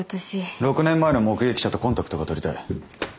６年前の目撃者とコンタクトが取りたい。